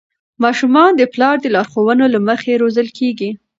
ماشومان د پلار د لارښوونو له مخې روزل کېږي.